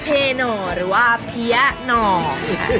เพนอร์หรือว่าเพียนอร์ค่ะ